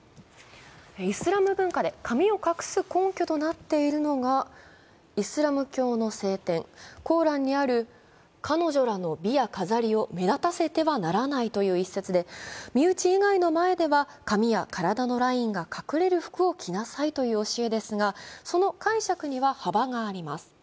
イスラム文化で髪を隠す根拠となっているのがイスラム教の聖典コーランにある「かの女らの美を目立たせてはならない」という一節で身内以外の前では髪や体のラインが隠れる服を着なさいという教えですがその解釈には幅があります。